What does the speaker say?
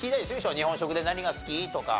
日本食で何が好き？とか。